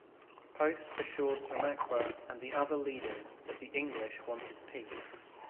Post assured Tamaqua and the other leaders that the English wanted peace.